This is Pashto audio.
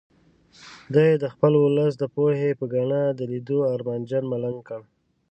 دی یې د خپل ولس د پوهې په ګاڼه د لیدو ارمانجن ملنګ کړ.